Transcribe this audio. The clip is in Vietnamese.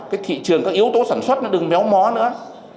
cái thị trường các yếu tố sản xuất nó đừng méo mó nữa